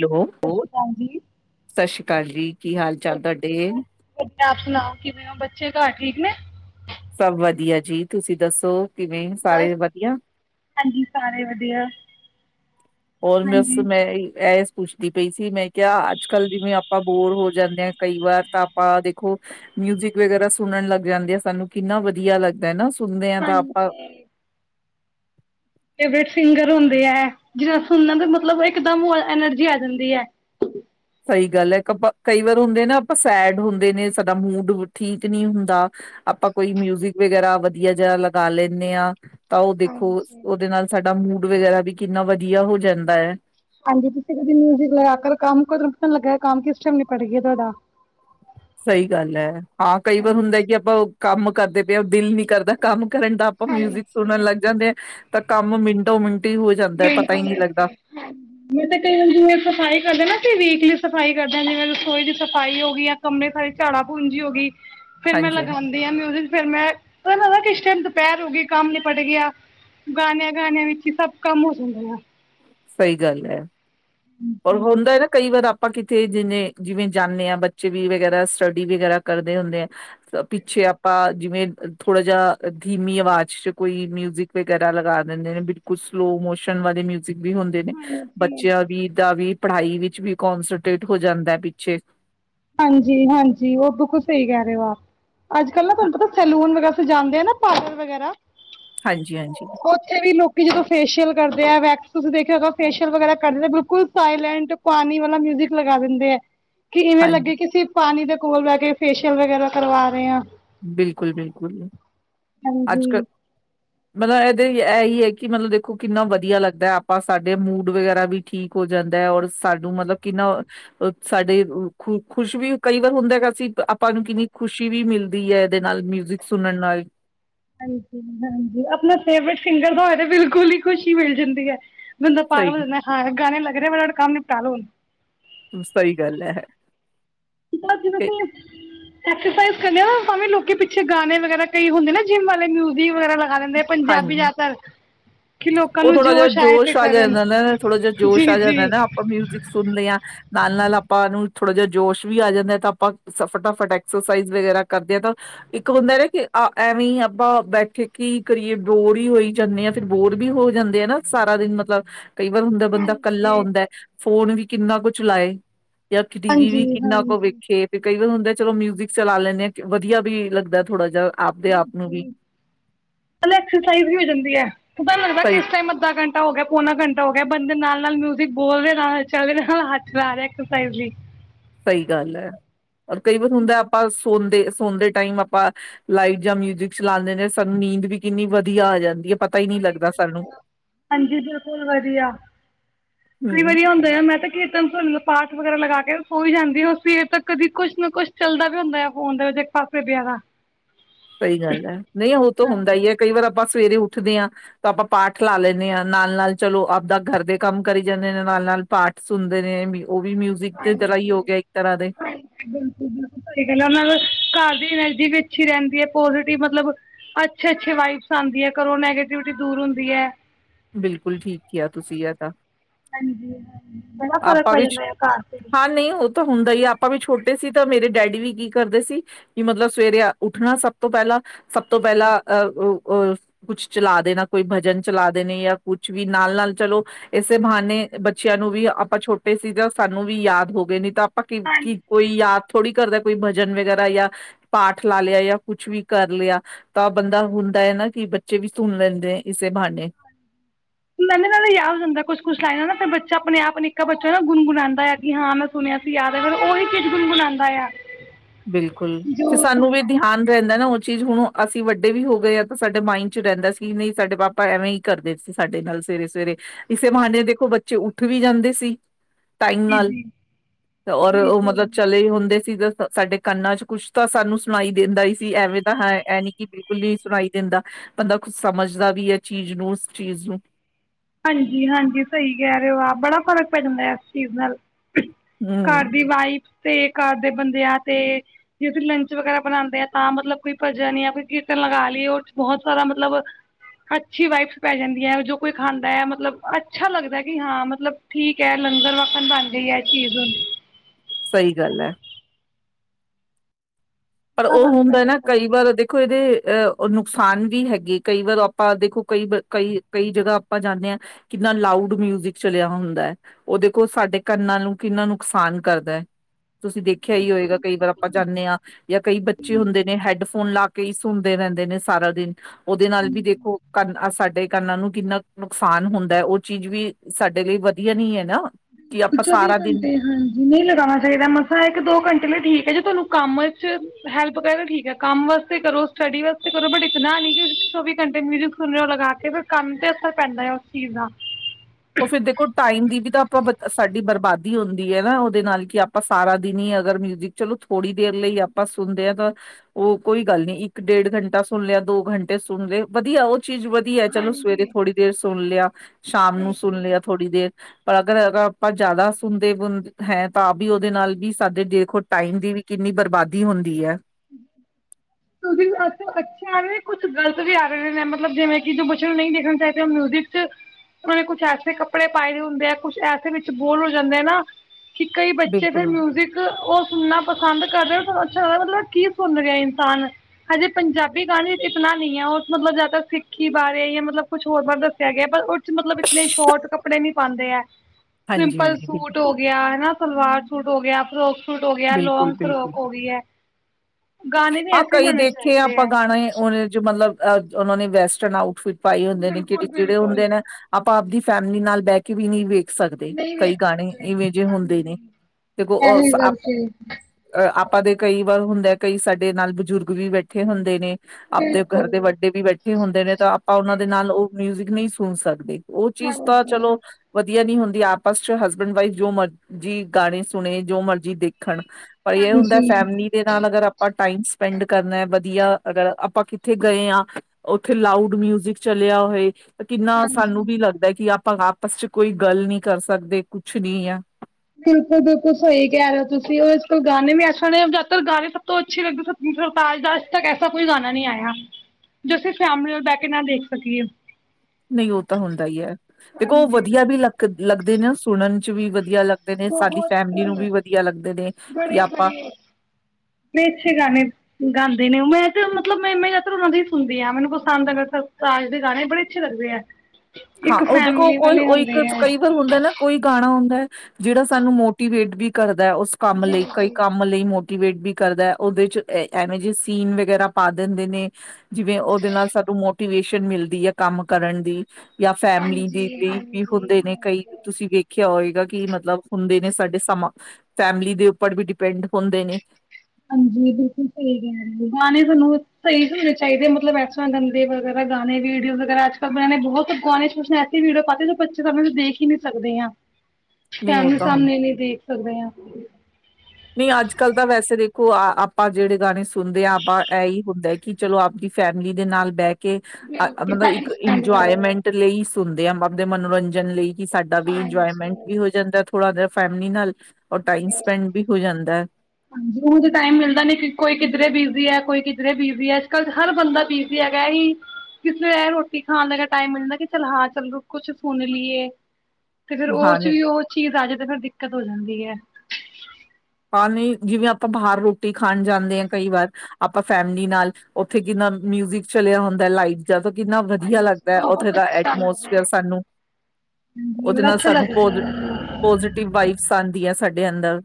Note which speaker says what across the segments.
Speaker 1: Hello
Speaker 2: ਸਤਿ
Speaker 1: ਹੋ
Speaker 2: ਸ਼੍ਰੀ ਅਕਾਲ ਜੀ।
Speaker 1: ਸਤਿ ਸ੍ਰੀ ਅਕਾਲ ਜੀ ਕੀ ਹਾਲ
Speaker 2: ਹੋਰ
Speaker 1: ਚਾਲ ਤੁਹਾਡੇ?
Speaker 2: ਬਸ ਵਧੀਆ ਆਪ ਸੁਣਾਓ ਕਿਵੇਂ ਹੋ ਬੱਚੇ ਘਰ ਠੀਕ ਨੇ?
Speaker 1: ਸਭ ਵਧੀਆ ਜੀ ਤੁਸੀਂ ਦੱਸੋ? ਕਿਵੇਂ
Speaker 2: ਬਸ
Speaker 1: ਸਾਰੇ ਵਧੀਆ?
Speaker 2: ਹਾਂਜੀ ਸਾਰੇ ਵਧੀਆ।
Speaker 1: ਹੋਰ ਬਸ
Speaker 2: ਹਾਂਜੀ।
Speaker 1: ਮੈਂ ਇਸ। ਪੁੱਛਦੀ ਪਈ ਸੀ। ਮੈਂ ਕਿਹਾ ਅੱਜ ਕੱਲ ਜਿਵੇਂ ਆਪਾਂ ਬੋਰ ਹੋ ਜਾਂਦੇ ਹਾਂ ਕਈ ਵਾਰ ਤਾਂ ਆਪਾਂ ਦੇਖੋ ਮਿਊਜਿਕ ਵਗੈਰਾ ਸੁਣਨ ਲੱਗ ਜਾਂਦੇ ਆ ਸਾਨੂੰ ਕਿੰਨਾ ਵਧੀਆ ਲੱਗਦਾ ਨਾ। ਸੁਣਦੇ ਹਾਂ ਤਾਂ ਆਪਾਂ।
Speaker 2: ਹਾਂਜੀ। ਫੇਵਰੇਟ ਸਿੰਗਰ ਹੁੰਦੇ ਹੈ। ਜਿਹਨਾ ਨੂੰ ਸੁਣਨ ਦੇ ਮਤਲਬ ਇਕਦਮ ਐਨਰਜੀ ਆ ਜਾਂਦੀ ਹੈ।
Speaker 1: ਸਹੀ ਗੱਲ ਹੈ। ਇੱਕ ਆਪਾਂ ਕਈ ਵਾਰ ਹੁੰਦੇ ਨਾ ਆਪਾਂ ਸੈਡ ਹੁੰਦੇ ਨੇ ਸਾਡਾ ਮੂਡ ਠੀਕ ਨੀ ਹੁੰਦਾ ਆਪਾਂ ਕੋਈ ਮਿਊਜਿਕ ਵਗੈਰਾ ਵਧੀਆ ਜਾ ਲਗਾ ਲੈਂਦੇ ਹਾਂ। ਤਾਂ ਉਹ ਦੇਖੋ ਉਹਦੇ ਨਾਲ ਸਾਡਾ ਮੂਡ। ਵਗੈਰਾ ਵੀ ਕਿੰਨਾ ਵਧੀਆ ਹੋ ਜਾਂਦਾ ਹੈ।
Speaker 2: ਹਾਂਜੀ ਤੁਸੀਂ ਕ ਮ ਲ ਕਰ ਕੰਮ ਪ ਲੱਗਾ ਕੰਮ ਕਿਸ ਟਾਈਮ ਪੜਗੀਆ ਤੁਹਾਡਾ।
Speaker 1: ਸਹੀ ਗੱਲ ਹੈ। ਹਾਂ ਕਈ ਵਾਰ ਹੁੰਦਾ ਕਿ ਆਪਾਂ। ਕੰਮ ਕਰਦੇ ਪਏ ਉਹ ਦਿਲ ਨੀ। ਕਰਦਾ ਕੰਮ ਕਰਨ ਦਾ ਆਪਾਂ ਮਿਊਜਿਕ ਸੁਣਨ ਲੱਗ ਜਾਂਦੇ ਆ। ਤਾਂ ਕੰਮ ਮਿੰਟੋ ਮਿੰਟੀ।
Speaker 2: ਮੈਂ ਤੇ ਕਈ ਵਾਰ ਜਿਵੇਂ ਸਫ਼ਾਈ ਕਰ ਦੇਣਾ ਹਾਂ ਨਾ ਵੀਕਲੀ। ਸਫ਼ਾਈ ਕਰਦੇ ਹਾਂ। ਜਿਵੇਂ ਰਸੋਈ ਦੀ ਸਫਾਈ ਹੋ ਗਈ ਹੈ। ਜਾਂ ਕਮਰੇ ਸਾਈਡ ਝਾੜਾ ਪੂੰਜੀ ਹੋ ਗਈ। ਫੇਰ ਮੈਂ
Speaker 1: ਹਾਂਜੀ ਹਾਂਜੀ
Speaker 2: ਲਗਾਉਂਦੀ ਹਾਂ ਮਿਊਜ਼ਿਕ ਫੇਰ ਮੈਂ ਮੈਂਨੂੰ ਲੱਗਦਾ ਕਿ? ਜਿਵੇਂ ਦੁਪਹਿਰ ਹੋ ਗਈ ਕੰਮ ਨਿਪਟ ਗਿਆ ਗਾਣਿਆਂ ਗਾਣਿਆਂ ਵਿੱਚ ਹੀ ਸਭ। ਕੰਮ ਹੋ ਜਾਂਦੇ ਨੇ ।
Speaker 1: ਸਹੀ ਗੱਲ ਐ । ਪਰ ਹੁੰਦਾ ਹੈ ਨਾ ਕਈ ਵਾਰ ਆਪਾਂ। ਆਪਾਂ ਕਿੱਥੇ ਜਿਨੇ ਜਿਵੇਂ ਜਾਂਦੇ ਹਾਂ ਬੱਚੇ ਵੀ ਵਗ਼ੈਰਾ ਸਟੱਡੀ ਵਗੈਰਾ ਕਰਦੇ ਹੁੰਦੇ ਆ ਪਿੱਛੇ ਆਪਾਂ ਜਿਵੇਂ ਥੋੜਾ ਜਾ ਧੀਮੀ ਅਵਾਜ਼ 'ਚ ਕੋਈ ਮਿਊਜਿਕ ਵਗੈਰਾ ਲਗਾ ਦਿੰਦੇ ਨੇ ਬਿਲਕੁਲ ਸਲੋ ਮੋਸ਼ਨ ਵਾਲੇ । ਵੀ ਹੁੰਦੇ ਨੇ
Speaker 2: ਹਾਂਜੀ
Speaker 1: ਬੱਚਿਆਂ ਦੀ ਦਾ ਵੀ। ਪੜ੍ਹਾਈ ਵਿੱਚ ਵੀ ਕੋਂਨਸਟਰੇੇਟ ਹੋ ਜਾਂਦਾ ਹੈ। ਪਿੱਛੇ?
Speaker 2: ਹਾਂਜੀ ਹਾਂਜੀ ਉਹ ਬਿਲਕੁਲ ਸਹੀ ਕਹਿ ਰਹੇ ਹੋ ਆਪ। ਅੱਜ ਕੱਲ੍ਹ ਨਾ ਤੁਹਾਨੂੰ ਪਤਾ ਸੈਲੂਨ ਵਗੈਰਾ। ਤੁਸੀਂ ਜਾਂਦੇ ਉਹ ਨਾ ਪਾਰਲਰ ਵਗੈਰਾ।
Speaker 1: ਹਾਂਜੀ ਹਾਂਜੀ
Speaker 2: ਉੱਥੇ ਵੀ ਲੋਕੀ ਜਦੋਂ ਫੇਸ਼ੀਅਲ। ਕਰਦੇ ਹੈ। ਵੈਕ ਤੁਸੀਂ ਦੇਖਿਆ ਹੋਣਾ ਫੇਸ਼ਅਲ ਵਗਰਾ ਕਰਦੇ ਬਿਲਕੁਲ ਸਾਇਲੈਂਟ ਪਾਣੀ ਵਾਲਾ ਮਿਊਜਿਕ ਲਗਾ ਦਿੰਦੇ ਆ।
Speaker 1: ਹਾਂਜੀ।
Speaker 2: ਅਸੀਂ ਪਾਣੀ ਦੇ ਕੋਲ ਬੈ ਕੇ ਫੇਸ਼ੀਅਲ ਵਗੈਰਾ ਕਰਵਾ ਰਹੇ ਹਾਂ।
Speaker 1: ਬਿਲਕੁਲ ਬਿਲਕੁਲ ਅੱਜ
Speaker 2: ਹਾਂਜੀ
Speaker 1: ਕੱਲ। ਮਤਲਬ ਇਹਦੇ ਇਹੀ ਹੈ ਕਿ ਮਤਲਬ ਦੇਖੋ ਕਿੰਨਾ ਵਧੀਆ ਲੱਗਦਾ। ਆਪਾਂ ਸਾਡੇ ਮੂਡ ਵਗੈਰਾ ਵੀ ਠੀਕ ਹੋ ਜਾਂਦਾ ਹੈ। ਔਰ ਸਾਨੂੰ ਮਤਲਬ ਕਿੰਨਾ ਸਾਡੇ ਖ ਖੁਸ਼ ਵੀ ਕਈ ਵਾਰ ਹੁੰਦਾ ਗਾ ਅ ਸੀ ਆਪਾਂ ਨੂੰ ਕਿੰਨੀ ਖੁਸ਼ੀ ਵੀ ਮਿਲ। ਹੈ ਇਹਦੇ ਨਾਲ ਮਿਊਜਿਕ ਸੁਣਨ ਨਾਲ
Speaker 2: ਹਾਂਜੀ ਹਾਂਜੀ ਆਪਣਾ ਫੇਵਰੇਟ ਸਿੰਗਰ ਤਾਂ ਹੋ ਬਿਲਕੁਲ ਹੀ ਖੁਸ਼ੀ ਮਿਲ ਜਾਂਦੀ ਹੈ ਬੰਦਾ ਪਾਗਲ
Speaker 1: ਸਹੀ
Speaker 2: ਹੋ ਜਾਂਦਾ ਹਾਂ ਗਾਣੇ ਲੱਗ ਰਹੇ ਮੇੜਮ [inaudible]
Speaker 1: ਸਹੀ ਗੱਲ ਐਂ
Speaker 2: ਕੀ ਤੁਸੀਂ ਐਕਸਰਸਾਈਜ਼ ਕਰਦੇ ਓ ਭਾਵੇਂ ਲੋਕੀ ਪਿੱਛੇ ਗਾਣੇ ਵਗੈਰਾ ਕਈ ਹੁੰਦੇ ਨਾ ਜਿੰਮ ਵਾਲੇ ਮਿਊਜ਼ [unintelligible] ਵਗੈਰਾ ਲਗਾ ਲਿੰਦੇ ਆ ਪੰਜਾਬੀ
Speaker 1: ਹਾਂਜੀ।
Speaker 2: ਜ਼ਿਆਦਾਤਰ ਕਿ ਲੋਕਾਂ
Speaker 1: ਉਹ
Speaker 2: ਨੂੰ
Speaker 1: ਥੋੜਾ ਜਿਹਾ
Speaker 2: ਆਏ ਤੇ
Speaker 1: ਜੋਸ਼ ਆ
Speaker 2: ਕਰਨ
Speaker 1: ਜਾਂਦਾ ਨਾ ਥੋੜ੍ਹਾ ਜਿਹਾ
Speaker 2: ਜੀ
Speaker 1: ਜੋਸ਼ ਆ
Speaker 2: ਜੀ
Speaker 1: ਜਾਂਦਾ ਨਾ ਆਪਾਂ ਮਿਊਜਿਕ ਸੁਣ ਦੇ ਹਾਂ ਨਾਲ ਨਾਲ ਆਪਾਂ ਨੂੰ ਥੋੜਾ ਜਿਹਾ ਜੋਸ਼ ਵੀ ਆ ਜਾਂਦਾ ਤਾਂ ਆਪਾਂ ਫਟਾਫਟ ਐਕਸਰਸਾਈਜ਼ ਵਗੈਰਾ ਕਰਦੇ ਹਾਂ ਤਾਂ ਇੱਕ ਹੁੰਦਾ ਨਾ ਕਿ ਐਵੇਂ ਆਪਾਂ ਬੈਠੇ ਕੀ ਕਰੀਏ ਬੋਰ ਹੀ ਹੋਈ ਜਾਂਦੇ ਹਾਂ ਫਿਰ ਬੋਰ ਵੀ ਹੋ ਜਾਂਦੇ ਆ ਨਾ ਸਾਰਾ ਦਿਨ ਮਤਲਬ ਕਈ ਵਾਰ ਹੁੰਦਾ ਬੰਦਾ ਕੱਲਾ ਹੁੰਦਾ ਫੋਨ ਵੀ ਕਿੰਨਾ ਕੁਛ ਲਾਏ ਜਾਂ ਟੀ ਵੀ ਕਿੰਨਾ ਕੁ ਵੇਖੇ ਤੇ ਕਈ ਵਾਰ ਹੁੰ ਚਲੋ ਮਿਊਜ਼ਿਕ ਚਲਾ ਲੈਂਦੇ ਹਾਂ ਵੀਆ ਵੀ ਲੱਗਦਾ ਥੋੜਾ ਜਿਹਾ ਆਪਦੇ ਆਪ ਨੂੰ ਵੀ
Speaker 2: ਬਿਲਕੁਲ ਐਕਸਰਸਾਈਜ਼ ਵੀ ਹੋ ਜਾਂਦੀ ਹੈ ਪਤਾ ਲ
Speaker 1: ਸਹੀ
Speaker 2: ਕਿਸ ਟਾਈਮ ਅੱਧਾ ਘੰਟਾ ਹੋ ਗਿਆ ਪੌਣਾ ਘੰਟਾ ਹੋ ਗਿਆ ਬੰਦੇ ਨਾਲ ਨਾਲ ਮਿਊਜ਼ਿਕ ਬੋਲਦੇ ਨਾਲ ਚੱਲਦੇ ਨਾਲ ਹੱਥ ਲ ਰਿਹਾਕਸ ਵੀ
Speaker 1: ਸਹੀ ਗੱਲ ਹੈ ਰ ਕਈ ਵਾਰ ਹੁੰਦਾ ਆਪਾਂ ਸੋਨ ਸਦੇ ਟਾਈਮ ਆਪਾਂ ਲਾਈਟ ਜਾਂ ਮਿਊਜਿਕ ਚਲਾਉਦੇਾਂ ਸਾਨੂੰ ਨੀਂਦ ਵੀ ਕਿੰਨੀ ਵਧੀਆ ਆ ਜਾਂਦੀ ਹੈ ਪਤਾ ਹੀ ਨਹੀਂ
Speaker 2: ਬੜੀ
Speaker 1: ਲੱਗਦਾ ਸਾਨੂੰ
Speaker 2: ਵਧ ਹਾਂਜੀ ਬਿਲਕੁਲ ਵਧੀਆ ਕਈ
Speaker 1: ਹਮ
Speaker 2: ਵਾਰੀ ਆਉਂਦੇ ਆ ਮੈਂ ਤੇ ਕੀਰਤਨ ਸੁਣ ਪਾਠ ਵਗ਼ੈਰਾ ਲਗਾ ਕੇ ਸੋਈ ਜਾਂਦੀ ਉਹ ਸਵੇਰ ਤੱਕ ਕਦੀ ਕੁਛ ਨਾ ਕੁੱਛ ਚੱਲਦਾ ਵੀ ਹੁੰਦਾ ਆ ਫੋਨ ਦੇ ਵਿੱਚ ਇੱਕ ਪਾਸੇ ਵਿਆਹ ਦਾ
Speaker 1: ਸਹੀ ਗੱਲ ਹੈ ਨਹੀਂ ਉਹ ਤਾਂ ਹੁੰਦਾ ਹੀ ਹੈ ਕਈ ਵਾਰ ਆਪਾਂ ਸਵੇਰੇ ਉੱਠਦੇ ਹਾਂ ਤਾਂ ਆਪਾਂ ਪਾਠ ਲਾ ਲੈਂਦੇ ਹਾਂ ਨਾਲ ਨਾਲ ਚਲੋ ਆਪਦਾ ਘਰ ਦੇ ਕੰਮ ਕਰੀ ਜਾਂਦੇ ਨੇ ਨਾਲ ਨਾਲ ਪਾਠ ਸੁਣਦੇ ਨੇ ਵੀ ਉਹ ਮਿਊਜਿਕ ਦੇ ਤਰ੍ਹਾਂ ਹੀ ਹੋ ਗਿਆ ਇੱਕ ਤਰ੍ਹਾਂ ਦੇ
Speaker 2: ਬਿਲਕੁਲ ਬਿਲਕੁਲ ਸਹੀ ਗੱਲ ਹੈ ਘਰ ਦੀ ਐਨਰਜੀ ਵਿੱਚ ਅੱਛੀ ਰਹਿੰਦੀ ਹੈ ਪੋਜ਼ਟਿਵ ਮਤਲਬ ਅੱਛੇ ਅੱਛੇ ਵਾਈਬਸ ਆਉਂਦੀ ਹੈ ਘਰੋਂ ਨੈਗੇਟਿਵਿਟੀ ਦੂਰ ਹੁੰਦੀ ਹੈ
Speaker 1: ਬਿਲਕੁਲ ਠੀਕ ਕਿਹਾ ਤੁਸੀਂ ਆ ਤਾਂ
Speaker 2: ਹਾਂਜੀ ਹਾਂ ਬੜਾ ਫ਼ਰਕ
Speaker 1: ਆਪਾਂ
Speaker 2: ਪੈ
Speaker 1: ਵੀ
Speaker 2: ਜਾਂਦਾ ਆ ਘਰ ਤੇ ਹੀ
Speaker 1: ਹਾਂ ਨਹੀਂ ਉਹ ਤਾਂ ਹੁੰਦਾ ਹੀ ਆ ਆਪਾਂ ਵੀ ਛੋਟੇ ਸੀ ਤਾਂ ਮੇਰੇ ਡੈਡੀ ਵੀ ਕੀ ਕਰਦੇ ਸੀ ਕਿ ਮਤਲਬ ਸਵੇਰੇ ਉੱਠਣਾ ਸਭ ਤੋਂ ਪਹਿਲਾਂ ਸਭ ਤੋਂ ਪਹਿਲਾਂ ਅ ਕੁਛ ਚਲਾ ਦੇਣਾ ਕੋਈ ਭਜਨ ਚਲਾ ਨੇ ਜਾਂ ਕੁਛ ਵੀ ਨਾਲ ਨਾਲ ਚਲੋ ਇਸੇ ਬਹਾਨੇ ਬੱਚਿਆਂ ਨੂੰ ਵੀ ਆਪਾਂ ਛੋਟੇ ਸੀ ਜਾਂ ਸਾਨੂੰ ਵੀ ਯਾਦ ਹੋ ਗਏ ਨੇ ਤਾਂ ਭ ਕੀ ਕੋਈ ਯਾਦ ਥੋੜ੍ਹੀ ਕਰਦਾ ਕੋਈ ਭਜਨ ਵਗੈਰਾ ਜਾਂ ਪਾਠ ਲਾ ਲਿਆ ਜਾਂ ਕੁਛ ਵੀ ਕਰ ਲਿਆ ਤਾਂ ਬੰਦਾ ਹੁੰਦਾ ਹੈ ਨਾ ਕਿ ਬੱਚੇ ਵੀ ਸੁਣ ਲੈਂਦੇ ਹੈ ਇਸੇ ਬਹਾਨੇ
Speaker 2: ਨਦੇ ਨਾਦਾ ਯਾਦ ਹੋ ਜਾਂਦਾ ਕੁਛ ਕੁੱਛ ਲਾਈਦਾ ਨਾ ਫਿਰ ਬੱਚਾ ਆਪਣੇ ਆਪ ਨਿੱਕਾ ਬੱਚਾ ਨਾ ਗੁਣਗੁਣਾਉਂਦਾ ਆ ਕਿ ਹਾਂ ਮੈਂ ਸੁਣਿਆ ਸੀ ਯਾਦ ਹੈ ਫ ਉਹੀ ਕੁਛ ਗੁਣਗੁਣਾਉਂਦਾ ਆ
Speaker 1: ਬਿਲਕੁਲ ਫ ਸਾਨੂੰ ਵੀ ਧਿਆਨ ਰਹਿੰਦਾ ਨਾ ਉਹ ਚੀਜ਼ ਹੁਣ ਅਸੀਂ ਵੱਡੇ ਵੀ ਹੋ ਗਏ ਹਾਂ ਤਾਂ ਸਾਡੇ ਮਾਇੰਡ ਚ ਰਹਿੰਦਾ ਸੀ ਨਹੀਂ ਸਾਡੇ ਪਾਪਾ ਐਵੇਂ ਹੀ ਕਰਦੇ ਸੀ ਸਾਡੇ ਨਾਲ ਸਵੇਰੇ ਸਵੇਰੇ ਇਸੇ ਬਹਾਨੇ ਦੇਖੋ ਬੱਚੇ ਉ ਉੱਠ ਵੀ ਜਾਂਦੇ ਸੀ ਟਾਈਮ ਨਾਲ ਔਰ ਉਹ ਮਤਲਬ ਚਲੇ ਹੁੰਦੇ ਸੀ ਤਾਂ ਸਾਡੇ ਕੰਨਾਂ ਚ ਕੁਛ ਤਾਂ ਸਾਨੂੰ ਸੁਣਾਈ ਦਿੰਦਾ ਹੀ ਸੀ ਐਵੇਂ ਤਾਂ ਹੈ ਇਹ ਨੀ ਕਿ ਬਿਲਕੁਲ ਨਹੀਂ ਸੁਣਾਈ ਦਿੰਦਾ ਬੰਦਾ ਕੁਛ ਸਮਝਦਾ ਵੀ ਹੈ ਚੀਜ਼ ਨੂੰ ਉਸ ਚੀਜ਼ ਨੂੰ
Speaker 2: ਹਾਂਜੀ ਹਾਂਜੀ ਸਹੀ ਕਹਿ ਰਹੇ ਹੋ ਆ ਬੜਾ ਫਰਕ ਪੈ ਜਾਂਦਾ ਇਸ ਚੀਜ਼ ਨਾਲ ਘਰ
Speaker 1: ਹੂੰ
Speaker 2: ਦੀ ਵਾਈਫ ਤੇ ਘਰ ਦੇ ਬੰਦੇ ਆ ਤੇ ਜੇ ਅਸੀਂ ਲੰਚ ਵਗ਼ੈਰਾ ਬਣਾਉਂਦੇ ਆ ਤਾਂ ਮਤਲਬ ਕੋਈ ਭੋਜਨ ਆ ਕੋਈ ਕੀਰਤਨ ਲਗਾ ਲਈਏ ਉਹ ਬਹੁਤ ਸਾਰਾ ਮਤਲਬ ਅੱਛੀ ਵਾਈਬਸ ਪੈ ਜਾਂਦੀਆਂ ਜੋ ਕੋਈ ਖਾਂਦਾ ਹੈ ਮਤਲਬ ਅੱਛਾ ਲੱਗਦਾ ਕਿ ਹਾਂ ਮਤਲਬ ਠੀਕ ਹੈ ਲੰਗਰ ਵਖਣ ਬਣ ਗਈ ਹੈ ਇਸ ਚੀਜ਼
Speaker 1: ਸਹੀ ਗੱਲ ਹੈ ਪਰ
Speaker 2: ਬੜਾ
Speaker 1: ਉਹ
Speaker 2: ਫ਼ਰਕ ਪੈ
Speaker 1: ਹੁੰਦਾ ਨਾ
Speaker 2: ਜਾਂਦਾ ਆ
Speaker 1: ਕਈ ਵਾਰ ਦੇਖੋ ਇਹਦੇ ਅ ਨੁਕਸਾਨ ਵੀ ਹੈਗੇ ਕਈ ਵਾਰ ਆਪਾਂ ਦੇਖੋ ਕਈ ਕਈ ਕਈ ਜਗ੍ਹਾ ਆਪਾਂ ਜਾਂਦੇ ਆ ਕਿੰਨਾ ਲਾਊਡ ਮਿਊਜਿਕ ਚਲਿਆ ਹੁੰਦਾ ਹੈ ਉਹ ਦੇਖੋ ਸਾਡੇ ਕੰਨਾਂ ਨੂੰ ਕਿੰਨਾ ਨੁਕਸਾਨ ਕਰਦਾ ਹੈ। ਤੁਸੀਂ ਦੇਖਿਆ ਹੀ ਹੋਏਗਾ ਕਈ ਵਾਰ ਆਪਾਂ ਜਾਂਦੇ ਹਾਂ। ਕਈ ਬੱਚੇ ਹੁੰਦੇ ਨੇ ਹੈਡ ਫੋਨ ਲਾ ਕੇ ਹੀ, ਸੁਣਦੇ ਰਹਿੰਦੇ ਨੇ ਸਾਰਾ ਦਿਨ। ਉਹਦੇ ਨਾਲ ਵੀ ਦੇਖੋ, ਕਨ ਆ ਸਾਡੇ। ਕੰਨਾਂ ਨੂੰ ਕਿੰਨਾ ਨੁਕਸਾਨ ਹੁੰਦਾ ਹੈ, ਔ ਚੀਜ਼ ਵੀ ਸਾਡੇ ਲਈ ਵਧੀਆ ਨੀ ਹੈ ਨਾ। ਕਿ ਆਪਾਂ
Speaker 2: ਚੌਵੀ
Speaker 1: ਸਾਰਾ ਦਿਨ
Speaker 2: ਘੰਟੇ ਹਾਂਜੀ ਨਹੀਂ ਲਗਾਉਣਾ ਚਾਹੀਦਾ ਮਸਾਂ ਇੱਕ ਦੋ ਘੰਟੇ ਲਈ ਠੀਕ ਜੇ ਤੁਹਾਨੂੰ ਕੰਮ ਚ ਹੈਲਪ ਕਰੇ ਤਾਂ ਠੀਕ ਹੈ, ਕੰਮ ਵਾਸਤੇ ਕਰੋ, ਸਟੱਡੀ ਵਾਸਤੇ ਕਰੋ, ਬਟ ਇਤਨਾ ਨਹੀ ਕੀ ਚੋਵੀ ਘੰਟੇ ਮਿਊਜ਼ਿਕ ਸੁਣ ਰਹੇ ਔ ਲਗਾ ਕੇ, ਫਿਰ ਕੰਮ ਤੇ ਅਸਰਪੈਂਦਾ ਉਸ ਚੀਜ਼ ਦਾ।
Speaker 1: ਔ ਫਿਰ ਦੇਖੋ ਟਾਈਮ ਦੀ ਵੀ ਤਾਂ ਆਪ ਸਾਡੀ ਬਰਬਾਦੀ ਹੁੰਦੀ ਹੈ ਨਾ ਉਹਦੇ ਨਾਲ ਕੀ ਆਪਾਂ ਸਾਰਾ ਦਿਨ ਹੀ ਅਗਰ ਮਿਊਜ਼ਿਕ, ਚਲੋ ਥੋੜੀ ਦੇਰ ਲਈ ਆਪਾਂ ਸੁਣਦੇ ਹ ਤਾਂ ਉਹ ਕੋਈ ਗੱਲ ਨੀ ਇੱਕ ਡੇਢ ਘੰਟਾ ਸੁਣ ਲਿਆ ਦੋ ਘੰਟੇ ਸੁਣ ਲਏ, ਵਧੀਆ। ਚੀਜ਼ ਵਧੀਆ ਹੈ, ਚਲੋ ਸਵੇਰੇ ਥੋੜ੍ਹੀ ਦੇਰ ਸੁਣ ਲਿਆ। ਸ਼ਾਮ ਨੂੰ
Speaker 2: ਬਿਲਕੁਲ
Speaker 1: ਸੁਣ ਲਿਆ ਥੋੜ੍ਹੀ ਦੇਰ, ਪਰ ਅਗਰ ਅ ਆਪਾਂ ਜ਼ਿਆਦਾ ਸੁਣਦੇ ਹੈ, ਤਾਂ ਵੀ ਉਹਦੇ ਨਾਲ ਵੀ ਸਾ ਦੇਖੋ ਟਾਈਮ ਦੀ ਵੀ ਕਿੰਨੀ ਬਰ ਬਾਦੀ ਹੁੰਦੀ ਹੈ।
Speaker 2: ਤੁਸੀ ਅੱਛੇ ਆ ਰਹੇ, ਕੁਛ ਗਲਤ ਵੀ ਆ ਰਹੇ ਨੇ, ਮਤਲਬ ਜਿਵੇਂ ਕਿ ਜੋ ਬੱਚੇ ਨੂੰ ਨਹੀਂ ਦੇਖਣਾ ਚਾਹੀਦੇ, ਮਿਊਜ਼ਿਕ ਚ ਊਨਾਨੇ ਨਾ ਕੁਛ ਐਸੇ ਕੱਪੜੇ ਪਾਏ ਹੁੰਦੇ ਆ, ਕੁਛ ਐਸੇ ਵਿੱਚ ਬੋਲ ਹੋ ਜਾਂਦੇ ਨਾ ਕਿ ਕਈ ਬੱਚੇ, ਫੇਰ
Speaker 1: ਬਿਲਕੁਲ
Speaker 2: ਮਿਊਜਿਕ ਉਹ ਸੁਣਨਾ ਪਸੰਦ ਪਸੰਦ ਕਰਦੇ ਹੋ, ਤੇ ਅੱਛਾ ਲੱਗਦਾ, ਮਤਲਬ ਕੀ ਸੁਣ ਰਿਹਾ ਇਨਸਾਨ ਹਜੇ ਪੰਜਾਬੀ ਗਾਣੇ ਇਤਨਾ ਨਹੀ ਹੈ, ਔ ਮਤਲਬ ਜਿਆਦਾ ਸਿੱਖੀ ਬਾਰੇ, ਜਾਂ ਮਤਲਬ ਕੁਛ ਹੋਰ ਬਾਰੇ ਦੱਸਿਆ ਗਿਆ, ਪਰ ਔਦੇ ਚ ਮਤਲਬ ਇਤਨੇ ਸ਼ੋਰਟ ਕੱਪੜੇ ਨਹੀਂ ਪਾਉਦੇ ਹੈ।
Speaker 1: ਹਾਂਜੀ
Speaker 2: ਸਿੰਪਲ
Speaker 1: ਹਾਂਜੀ ਬਿਲਕੁਲ
Speaker 2: ਸੂਟ ਹੋ ਗਿਆ ਹੈਨਾ ਸਲਵਾਰ ਸੂਟ ਹੋ ਗਿਆ, ਫਰੋਕ ਸੂਟ ਹੋ ਗਿਆ,
Speaker 1: ਬਿਲਕੁਲ
Speaker 2: ਲੋਂਗ
Speaker 1: ਬਿਲਕੁਲ
Speaker 2: ਫਰੋਕ ਹੋ ਗਈ ਹੈ। ਗਾਣੇ ਨੇ
Speaker 1: ਹਾਂ
Speaker 2: ਐਸੇ ਹੀ
Speaker 1: ਕਈ
Speaker 2: ਹੋਣੇ
Speaker 1: ਦੇਖੇ ਆ
Speaker 2: ਚਾਹੀਦੇ
Speaker 1: ਆਪਾਂ
Speaker 2: ਹੈ
Speaker 1: ਗਾਣੇ, ਔਦੇ ਚ ਮਤਲਬ ਔਨਾਂਨੇ ਵੈਸਟਰਨ ਆਊਟਫਿਟ ਪਾਈ ਹੁੰਦੇ ਨੇ ਕਿਹੜੇ ਚਿੜੇ ਹੁੰਦੇ ਨੇ, ਆਪਾਂ ਆਪਦੀ ਫੈਮਿਲੀ ਨਾਲ ਬਹਿ ਕੇ ਵੀ ਨਹੀਂ ਵੀ ਸਕਦੇ, ਕਈ ਗਾਣੇ ਇਵੇਂ ਜਿਹੇ ਹੁੰਦੇ ਨੇ, ਦੇਖੋ ਅ ਆਪਾਂ ਦੇ ਕਈ ਵਾਰ ਹੁੰਦੇ ਕਈ ਸਾਡੇ ਨਾਲ ਬਜ਼ੁਰਗ ਵੀ ਬੈਠੇ ਹੁੰਦੇ ਨੇ, ਆਪਦੇ ਘਰ ਦੇ ਵੱਡੇ ਵੀ ਬੈਠੇ ਹੁੰਦੇ ਨੇ, ਤਾਂ ਆਪਾਂ ਉਹਨਾਂ ਦੇ ਨਾਲ ਉਹ ਮਊਜ਼ਿਕ ਨਹੀਂ ਸੁਣ ਸਕਦੀ । ਔ ਚੀਜ਼ ਤਾਂ ਚਲੋ ਵਧੀ ਵਧੀਆ ਨੀ ਹੁੰਦੀਆਂ ਆਪਸ ਚ ਹਸਬੈਂਡ ਵਾਈਫ ਜੋ ਮਰਜੀ ਗਾਣੇ ਸੁਣੇ, ਜੋ ਮਰਜੀ ਦੇਖਣ ਪਰ ਇਹ ਹੁੰਦਾ ਫੈਮਿਲੀ ਦੇ ਨਾਲ ਅਗਰ ਅਪ ਟਾਈਮ ਸਪੈਂਡ ਕਰਨਾ ਵਧੀਆ, ਅਗਰ ਆਪਾਂ ਕਿੱਥੇ ਗਏ ਆ, ਓਥੇ ਲਾਊਡ ਮਿਊਜਿਕ ਚਲਿਆ ਹੋਏ ਕਿੰਨਾ ਸਾਨੂੰ ਵੀ ਲੱਗਦਾ ਕਿ ਆਪ ਆਪਾਂ ਆਪਸ ਚ ਕੋਈ ਗੱਲ ਨਹੀਂ ਕਰ ਸਕਦੇ, ਕੁਛ ਨੀ ਆ।
Speaker 2: ਬਿਲਕੁਲ ਬਿਲਕੁਲ ਸਹੀ ਕਹਿ ਰਹੇ ਹੋ ਤੁਸੀਂ, ਅੱਜ ਕਲ ਗਾਣੇ ਵੀ, ਐਸੇ ਗਾਣੇ ਸਭ ਤੋਂ ਅੱਛੇ ਲੱਗਦੇ ਸਤਿੰਦਰ ਸਰਤਾਜ ਦਾ, ਅੱਜ ਤੱਕ ਐਸਾ ਕੋਈ ਗਾਣਾ ਨੀ ਆਇਆ, ਜੋ ਅਸੀਂ ਫ਼ੈਮਲੀ ਨਾਲ ਬਹਿ ਕੇ ਦੇਖ ਨਾ ਸਕੀਏ।
Speaker 1: ਨਹੀਂ ਉਹ ਤਾਂ ਹੁੰਦਾ ਹੀ ਹੈ ਦੇਖੋ ਉਹ ਵਧੀਆ ਵੀ ਲੱਕ ਲੱਗਦੇ ਨੇ ਸੁਣਨ ਚ ਵੀ ਵੀ ਵਧੀਆ ਲੱਗਦੇ ਨੇ ਸਾਡੀ
Speaker 2: ਬਹੁਤ
Speaker 1: ਫੈਮਿਲੀ ਨੂੰ
Speaker 2: ਬੜੇ
Speaker 1: ਵਧੀਆ ਲੱਗਦੇ ਨੇ ਕਿ
Speaker 2: ਬੜੇ
Speaker 1: ਆਪਾਂ
Speaker 2: ਬੜੇ ਅੱਛੇ ਗਾਣੇ ਗਾਉਂਦੇ ਨੇ ਮੈਂ ਮਤਲਬ ਮ ਮੈਂ ਓਹਨਾ ਦੀ ਹੀ ਸੁਣਦੀ ਹਾਂ ਮੈਨੂੰ ਸਰਤਾਜ ਦੇ ਗਾਣੇ ਬੜੇ ਅੱਛੇ ਲੱਗਦੇ ਆ
Speaker 1: ਹਾਂ
Speaker 2: ਇੱਕ
Speaker 1: ਉਹ ਦੇਖੋ
Speaker 2: ਫੈਮਿਲੀ
Speaker 1: ਕੋਈ
Speaker 2: ਵਾਲੇ
Speaker 1: ਉਹ ਇੱਕ
Speaker 2: ਹੁੰਦੇ ਆ
Speaker 1: ਕਈ ਵਾਰ ਹੁੰਦਾ ਨਾ ਕੋਈ ਗਾਣਾ ਹੁੰਦਾ। ਜਿਹੜਾ ਸਾਨੂੰ ਮੋਟੀਵੇਟ ਵੀ ਕਰਦਾ। ਉਸ ਕੰਮ ਲਈ ਕਈ ਕੰਮ ਲਈ ਮੋ ਮਵੇਟ ਵੀ ਕਰਦਾ ਉਹਦੇ ਚਵੇ ਜ ਸੀਨ ਵਗੈਰਾ ਪਾ ਦਿੰਦੇ ਨੇ ਜਿਵੇ ਓਦੇ ਨਾਲ ਸਾਨੂ ਮੋਟੀਵੇਸ਼ਨ ਮਿਲਦੀ ਆ ਕੰਮ ਕਰਨ ਦੀ। ਜਾਂ ਫੈਮਲੀ ਦੇ ਲਈ ਵੀ ਹੁੰਦੇ ਨੇ ਕਈ ਤੁਸੀਂ ਵੇਖਿਆ ਹੋਏ ਕਿ ਮਤਲਬ ਹੁੰਦੇ ਨੇ ਸਾਡੇ ਸਮਾਂ ਫੈਮਿਲੀ ਦੇ ਉੱਪਰ ਵੀ ਡਿਪੈਂਡ ਹੁੰਦੇ ਨੇ।
Speaker 2: ਹਾਂਜੀ ਬਿਲਕੁਲ ਸਹੀ ਕਿਹਾ ਜ ਗਾਣੇ ਸਾਨੂੰ ਸਹੀ ਸੁਣ ਣੇ ਚਾਹੀਦੇ ਮਤਲਬ ਗੰਦੇ ਵਰਾ ਗਾਣੇ ਵੀਡੀਓ ਵ ਅੱਜ ਕਲ ਨੇ ਬਹੁਤ ਗਾਣੇ ਵੀਓ ਪਾਤੇ ਜੋ ਬੱਚੇ ਸਾਮ੍ਹਣੇ ਦੇਖ ਹੀ ਨੀ ਸਕਦੇ ਆ।
Speaker 1: ਨਹੀਂ ਉਹ
Speaker 2: ਫੈਮਲੀ
Speaker 1: ਤਾਂ ਹੁਣ
Speaker 2: ਸਾਹਮਣੇ ਨਹੀਂ ਦੇਖ ਸਕਦੇ ਆ
Speaker 1: ਨਹੀਂ ਅੱਜ ਕੱਲ ਤਾਂ ਵੈਸੇ ਦੇਖੋ ਆਪਾਂ ਜਿਹੜੇ ਗਾਣੇ ਸੁਣਦੇ ਹਾਂ ਆਪਾਂ ਇਹੀ ਹੁੰਦਾ ਕਿ ਚਲੋ ਆਪਣੀ ਫੈਮਿਲੀ ਦੇ ਨਾਲ ਬੈ ਕੇ ਮਤਲਬ ਇੱਕ ਇੰਜੋਏਮੈਂਟ ਲਈ ਸੁੁੰਨਦੇ ਆ ਆਪ ਦੇ ਮਨੋਰੰਜਨ ਲਈ ਕਿ ਸਾਡਾ ਵੀ ਇੰਜੋਏਮੈਂਟ ਵੀ ਹੋ ਜਾਂਦਾ। ਥੋੜਾ ਜਿਹਾ ਫੈਮਿਲੀ ਨਾਲ ਔਰ ਟਾਈਮ ਸਪੈਂਡ ਵੀ ਹੋ ਜਾਂਦਾ ਹੈ।
Speaker 2: ਹਾਂਜੀ ਉਹੀ ਤੇ ਟਾਈਮ ਮਿਲਦਾ ਨੇ ਕਿ ਕੋਈ ਕਿੱਧਰੇ ਬਿਜੀ ਹੈ ਕੋਈ ਕਿਧਰੇ ਬਿਜੀ ਹੈ ਅੱਜ ਕੱਲ ਹਰ ਬੰਦਾ ਬਿਜੀ ਹੈਗਾ ਇਹੀ ਕਿਸੇ ਰੋਟੀ ਖਾਣ ਲ ਟਾਈਮ ਮਿਲਦਾ ਕਿ ਚੱਲ ਹਾਂ ਚੱਲ ਕੁਛ ਸੁਣ ਲਈਏ ਤੇ ਫੇਰ
Speaker 1: ਹਾਂ
Speaker 2: ਉਸ ਚ
Speaker 1: ਨਹੀਂ
Speaker 2: ਵੀ ਉਹ ਚੀਜ਼ ਆ ਜਾਵੇ ਤਾਂ ਫਿਰ ਦਿੱਕਤ ਹੋ ਜਾਂਦੀ ਹੈ। [inaudible]
Speaker 1: ਜਿਵੇਂ ਆਪਾਂ ਬਾਹਰ ਰੋਟੀ ਖਾਣ ਜਾਂਦੇ ਹਾਂ । ਕਈ ਵਾਰ ਆਪਾਂ ਫੈਮਲੀ ਨਾਲ ਉੱਥੇ ਕਿੰਨਾ ਮਿਊਜਿਕ ਚਲਿਆ ਹੁੰਦਾ ਲਾਈਟ ਜਾ । ਕਿੰਨਾ ਵਧੀਆ ਲੱਗਦਾ ਹੈ ਉਥੇ ਦਾ ਐਟਮੋਸਫੇਅਰ ਸਾਨੂੰ।
Speaker 2: ਹਾਂਜੀ
Speaker 1: ਉਹਦੇ
Speaker 2: ਬੜਾ
Speaker 1: ਨਾਲ
Speaker 2: ਅੱਛਾ
Speaker 1: ਸਾਨੂੰ
Speaker 2: ਲੱਗਦਾ
Speaker 1: ਪੋਜ਼ਟਿਵ ਵਾਈਬਸ ਆਉਂਦੀ ਹੈ ਸਾਡੇ ਅੰਦਰ।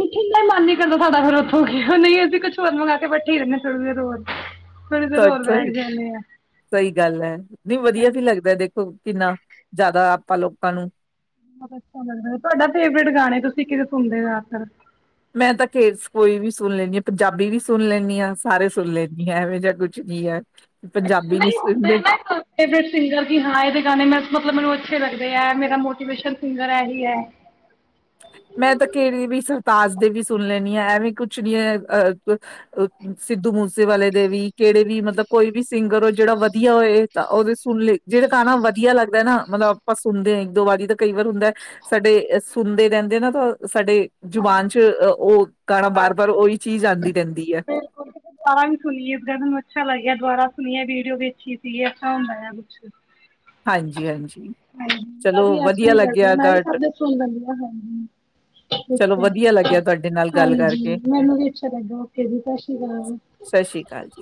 Speaker 2: ਉੱਠਣ ਦਾ ਹੀ ਮਨ ਨੀ ਕਰਦਾ ਸਾਡਾ, ਫਿਰ ਉੱਥੋਂ ਨਹੀਂ ਅਸੀਂ ਕੁਝ ਹੋਰ ਮੰਗਾ ਕੇ ਬੈਠੇ ਹੀ ਰਹਿੰਦੇ ਰੋ ।
Speaker 1: ਸਹੀ ਸਹੀ ਸਹੀ ਗੱਲ ਏ। ਨਹੀਂ ਵਧੀਆ ਵੀ ਲੱਗਦਾ ਦੇਖੋ। ਕਿੰਨਾ ਜ਼ਿਆਦਾ ਆਪਾਂ ਲੋਕਾਂ ਨੂੰ
Speaker 2: ਬਹੁਤ ਅੱਛਾ ਲੱਗਦਾ ਏ। ਤੁਹਾਡਾ ਫੇਵਰੇਟ ਗਾਣੇ ਤੁਸੀਂ ਕਿਹੜੇ ਸੁਣਦੇ ਹੋ ਅੱਜ ਕੱਲ?
Speaker 1: ਮੈਂ ਤਾਂ ਖੇਰ ਕੋਈ ਵੀ ਸੁਣ ਲੈਂਦੀ ਹਾਂ। ਪੰਜਾਬੀ ਵੀ ਸੁਣ ਲੈਂਦੀ ਹਾਂ । ਸਾਰੇ ਸੁਣ ਲੈਂਦੀ ਹਾਂ ਐਵੇਂ ਜਾ ਕੁੱਝ ਵੀ ਹੈ। ਪੰਜਾਬੀ ਨੀ ਸੁਣਦੇ
Speaker 2: ਫੇਵਰੇਟ ਸਿੰਗਰ ਕਿ ਹਾਂ ਇਹਦੇ ਗਾਣੇ ਮੈ ਮਤਲਬ । ਅੱਛੇ ਲੱਗਦੇ ਹੈ । ਮੇਰਾ ਮੋਟੀਵੇਸ਼ਨ ਸਿੰਗਰ ਐਹੀ ਹੈ।
Speaker 1: ਮੈਂ ਤਾਂ ਕਿਹੜੇ ਵੀ ਸਰਤਾਜ ਦੇ ਵੀ ਸੁਣ ਲੈਂਦੀ ਹਾਂ । ਐਵੇਂ ਕੁਝ ਨੀ ਹੈ ।ਅ ਸਿੱਧੂ ਮੂਸੇਵਾਲੇ ਦੇ ਵੀ ਕਿਹੜੇ ਵੀ ਮਤਲਬ ਕੋਈ ਵੀ ਸਿੰਗਰ ਹੋ ਜਿਹੜਾ ਵਧੀਆ ਹੋਏ ਤਾਂ ਉਹਦੇ ਸੁਣ ਲ ਜਿਹੜਾ ਗਾਣਾ ਵਧੀਆ ਲੱਗਦਾ ਨਾ ਮਤਲਬ ਆਪਾਂ ਸੁਣਦੇ ਹਾਂ। ਇੱਕ ਦੋ ਵਾਰੀ ਤਾਂ ਕਈ ਵਾਰ ਹੁੰਦਾ ਸਾਡੇ ਸੁਣਦੇ ਰਹਿ। [inaudible] ਸਾਡੀ ਜ਼ੁਬਾਨ ਚ ਉਹ ਗਾਣਾ ਬਾਰ-ਬਾਰ ਉਹੀ ਚੀਜ਼ ਆਉਂਦੀ ਰਹਿੰਦੀ ਹੈ।
Speaker 2: ਬਿਲਕੁਲ ਤੁਸੀਂ ਦੁਬਾਰਾ ਵੀ ਸੁਣੀਏ ਇਸ ਗੱਲ ਮੈਨੂੰ ਅੱਛਾ ਲੱਗਿਆ ਦੁਬਾਰਾ ਸੁਣੀਆਂ ਵੀਡੀਓ ਵੇਖੀ ਸੀਗੀ ਐਸਾ ਹੁੰਦਾ ਹੈ ਕੁਝ ।
Speaker 1: ਹਾਂਜੀ-ਹਾਂਜੀ।
Speaker 2: ਹਾਂਜੀ ਕਰਦੀ ਮੈਂ ਵੀ
Speaker 1: ਤੁਹਾ
Speaker 2: ਸ ਸੁਣਦੀ
Speaker 1: ਚਲੋ ਵਧੀਆ ਲੱਗਿਆ ਤੁਹਾਡੇ ਨਾਲ ਗੱਲ
Speaker 2: ਹਜੀ
Speaker 1: ਕਰਕੇ
Speaker 2: ਮੈਨੂੰ ਵੀ ਅੱਛਾ ਲੱਦਾ ਓ ਜੀ ਸਤਿ ਸ੍ਰੀ ਅਕਾਲ।
Speaker 1: ਸਤਿ ਸ੍ਰੀ ਅਕਾਲ ਜੀ